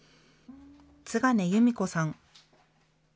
津金由美子さん